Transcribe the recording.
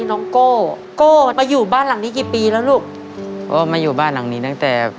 น้องโก้โก้มาอยู่บ้านหลังนี้กี่ปีแล้วลูกก็มาอยู่บ้านหลังนี้ตั้งแต่